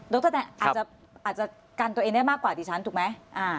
ดรแน็ตอาจจะอาจจะกันตัวเองได้มากกว่าดิฉันถูกไหม